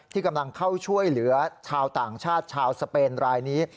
ที่กำลังเข้าช่วยเหลือชาวต่างชาติชาวสเปนรายนี้